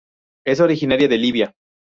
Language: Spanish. Es originaria de Libia.